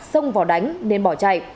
xông vào đánh nên bỏ chạy